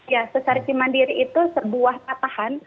ya sesar cimandiri itu sebuah patahan